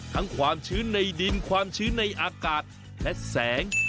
ความชื้นในดินความชื้นในอากาศและแสง